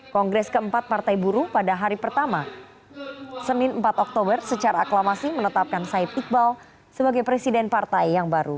kongres keempat partai buruh pada hari pertama senin empat oktober secara aklamasi menetapkan said iqbal sebagai presiden partai yang baru